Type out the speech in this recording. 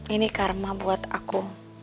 ini karma buat aku